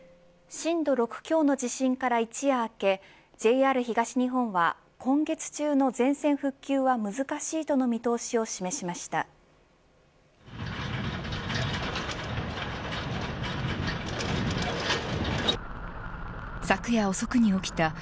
震度６強の地震から一夜明けＪＲ東日本は今月中の全線復旧は難しいとの見通しを示しました。